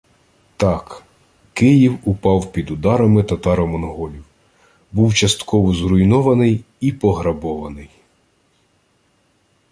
Так, Київ упав під ударами татаро-монголів, був частково зруйнований і пограбований